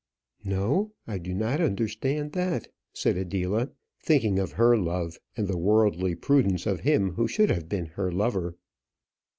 "No, I do not understand that," said Adela, thinking of her love, and the worldly prudence of him who should have been her lover.